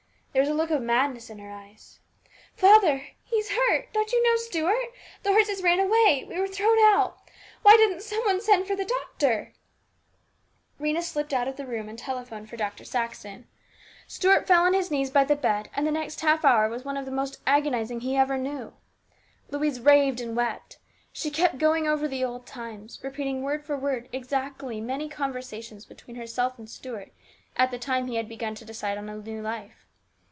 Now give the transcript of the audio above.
There was a look of madness in her eyes. " Father ! He's hurt ! Don't you know, Stuart ? The horses ran away. We were thrown out ! Why doesn't some one send for the doctor ?" Rhena slipped out of the room and telephoned for Dr. Saxon. Stuart fell on his knees by the bed, and the next half hour was one of the most agonising he ever knew. Louise raved and wept. She kept going over the old times, repeating word for word exactly many conversations between herself and Stuart at the time he had begun to decide on a new life.